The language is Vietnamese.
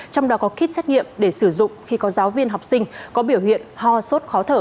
trong đó có kit xét nghiệm để sử dụng khi có giáo viên học sinh có biểu hiện ho sốt khó thở